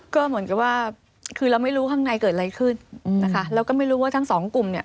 ก็เหมือนกับว่าคือเราไม่รู้ข้างในเกิดอะไรขึ้นนะคะเราก็ไม่รู้ว่าทั้งสองกลุ่มเนี่ย